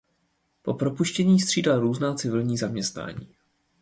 Po propuštění střídal různá civilní zaměstnání.